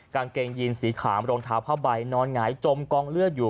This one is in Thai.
กางเกงยีนสีขาวรองเท้าผ้าใบนอนหงายจมกองเลือดอยู่